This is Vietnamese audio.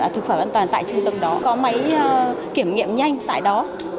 thực phẩm an toàn tại trung tâm đó có máy kiểm nghiệm nhanh tại đó